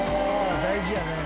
大事やね。